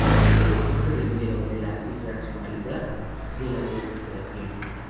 Un documento del miedo, de la irracionalidad, de la desesperación.